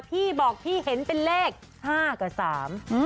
พี่บอกพี่เห็นเป็นเลข๕กับ๓